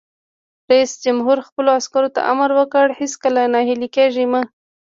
رئیس جمهور خپلو عسکرو ته امر وکړ؛ هیڅکله ناهیلي کیږئ مه!